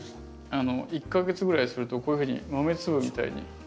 あの１か月ぐらいするとこういうふうに豆粒みたいに。